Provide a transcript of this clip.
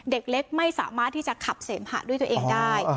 เด็กเล็กไม่สามารถที่จะขับเสมหะด้วยตัวเองได้